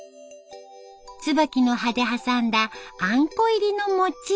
椿の葉で挟んだあんこ入りの餅。